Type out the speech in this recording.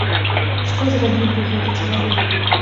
Што зрабіў бы гэты чалавек?